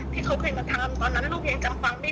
ที่เขาเคยมาทำตอนนั้นลูกยังจำฟังไม่